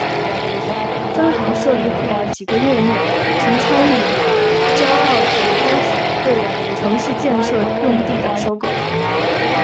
分行设立后的几个月内曾参与胶澳总督府对城市建设用地的收购。